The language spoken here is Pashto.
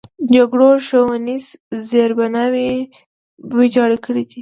جګړو ښوونیز زیربناوې ویجاړې کړي دي.